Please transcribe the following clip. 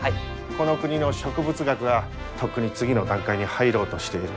この国の植物学はとっくに次の段階に入ろうとしている。